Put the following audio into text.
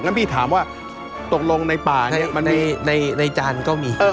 พี่ถามว่าตกลงในป่าเนี่ยมันในจานก็มี